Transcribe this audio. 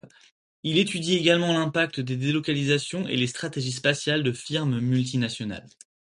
Il étudie également l'impact des délocalisations et les stratégies spatiales de firmes multinationales.